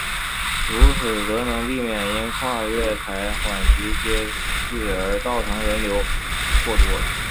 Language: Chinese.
如此则能避免因跨月台缓急接续而造成人流过多。